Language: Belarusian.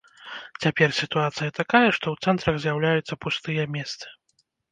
Цяпер сітуацыя такая, што ў цэнтрах з'яўляюцца пустыя месцы.